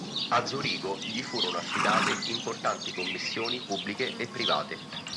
A Zurigo gli furono affidate importanti commissioni pubbliche e private.